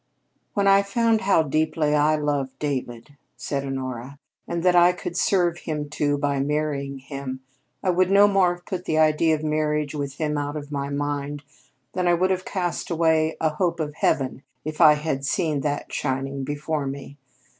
"When I found how deeply I loved David," said Honora, "and that I could serve him, too, by marrying him, I would no more have put the idea of marriage with him out of my mind than I would have cast away a hope of heaven if I had seen that shining before me.